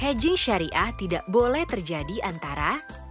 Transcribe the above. haji syariah tidak boleh terjadi antara